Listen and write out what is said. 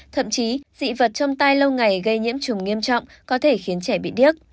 thậm chí dị vật trong tay lâu ngày gây nhiễm trùng nghiêm trọng có thể khiến trẻ bị điếc